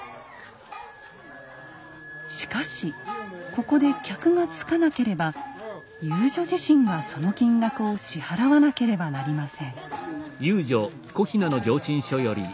しかしここで客がつかなければ遊女自身がその金額を支払わなければなりません。